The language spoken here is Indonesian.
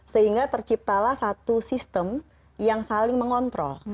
sehingga terciptalah satu sistem yang saling mengontrol